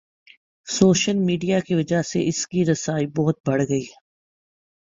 Social media کی وجہ سے اس کی رسائی بہت بڑھ گئی ہے۔